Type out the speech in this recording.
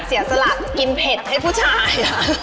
เสียสละกินเผ็ดให้ผู้ชาย